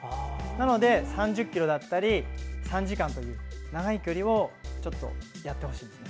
なので３０ｋｍだったり３時間という長い距離をやってほしいです。